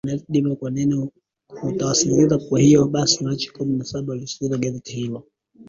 Wanasdema kwa nini hatuwasikilizi kwa hivyo basi Machi kumi na saba walisitisha gazeti hilo